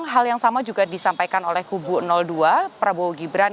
hal yang sama juga disampaikan oleh kubu dua prabowo gibran